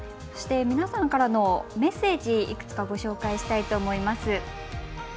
皆さんからのメッセージいくつかご紹介したいと思います。